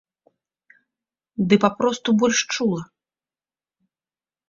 Ды папросту больш чула.